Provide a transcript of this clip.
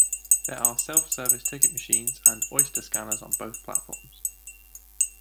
There are self-service ticket machines and Oyster scanners on both platforms.